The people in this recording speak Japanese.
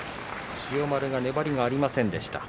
千代丸、粘りがありませんでした。